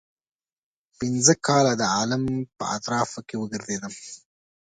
پنځه کاله د عالم په اطرافو کې وګرځېدم.